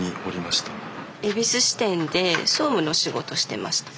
恵比寿支店で総務の仕事してました。